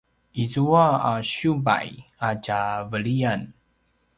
izua a siubay a tja veliyan